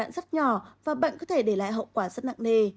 virus rô ta lây nhiễm rất nhỏ và bệnh có thể để lại hậu quả rất nặng nề